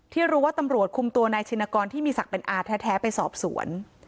ที่รู้ว่าตำรวจคุมตัวนายชินกรที่มีศักดิ์เป็นอาแท้ไปสอบสวน